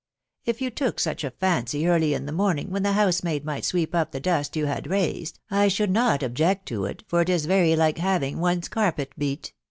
H If you vaolc such a isncy early in the merrimg, whan «fl»e house maid ought sweep np the duet yon toad raised, I 4>eufd not object to it, for it is vary like %a*Uig onrfe earpet beat* ....